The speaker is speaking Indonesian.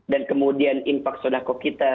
dan kemudian impak sunakuh kita